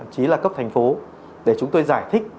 chí là cấp thành phố để chúng tôi giải thích